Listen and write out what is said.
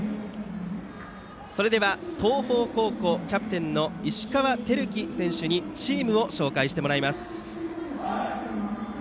それでは、東邦高校キャプテンの石川瑛貴選手にチームを紹介してもらいます。